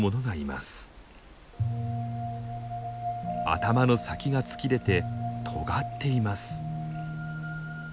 頭の先が突き出てとがっています。